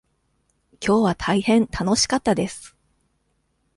きょうは大変楽しかったです。